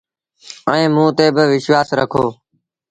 ايٚئيٚنٚ موٚنٚ تي با وشوآس رکو۔